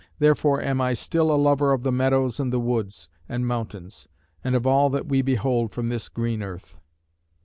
Therefore am I still A lover of the meadows and the woods, And mountains; and of all that we behold From this green earth.